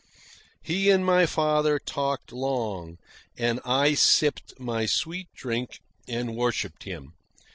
He and my father talked long, and I sipped my sweet drink and worshipped him.